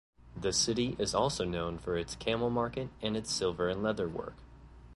The city is also known for its camel market and its silver and leatherwork.